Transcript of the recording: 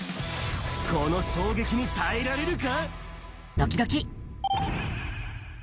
この衝撃に耐えられるか？